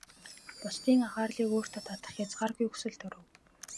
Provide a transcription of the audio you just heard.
Бусдын анхаарлыг өөртөө татах хязгааргүй хүсэл төрөв.